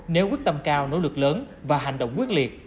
nếu quyết tâm cao nỗ lực lớn và hành động quyết liệt